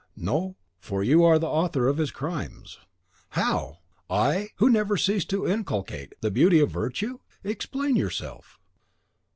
"No, for you are the author of his crimes." "How! I, who never ceased to inculcate the beauty of virtue? Explain yourself."